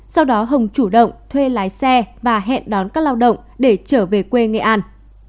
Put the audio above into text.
sau đó hồng chủ động thuê lái xe và hẹn đón các lao động để trở về quê nghệ an